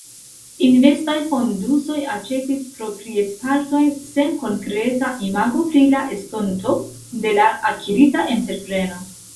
Investaj fondusoj aĉetis proprietpartojn sen konkreta imago pri la estonto de la akirita entrepreno.